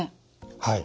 はい。